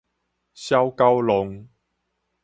痟狗浪